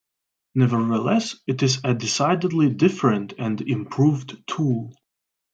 Nevertheless, it is a decidedly different and improved tool.